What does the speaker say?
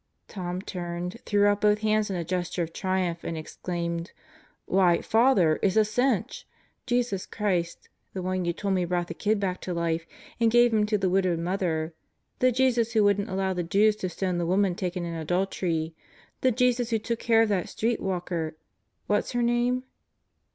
Tom turned, threw out both hands in a gesture of triumph and exclaimed, "Why, Father, it's a cinch ! Jesus Christ, the One you told me brought the kid back to life and gave him to his widowed mother; the Jesus who wouldn't allow the Jews to stone the woman taken in adultery; the Jesus who took care of that street walker what's her name?